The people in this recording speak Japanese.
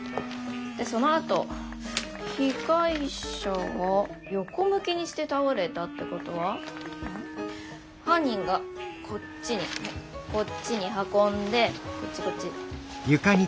でそのあと被害者は横向きにして倒れたってことは犯人がこっちにこっちに運んでこっちこっち。